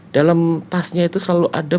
dalam tasnya itu selalu ada